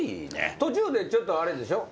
途中でちょっとあれでしょ。